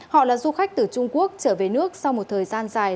họ là du khách từ trung quốc trở về nước sau một thời gian dài